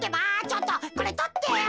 ちょっとこれとってよ。